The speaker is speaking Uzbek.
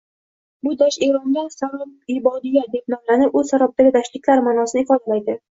Bu dasht Eronda Sarob-i bodiya deb nomlanib, u sarobdagi dashtliklar ma’nosini ifodalaydi.